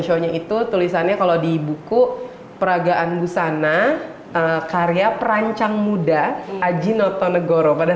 show nya itu tulisannya kalau di buku pragaan gusana karya perancang muda ajinoto nagoro pada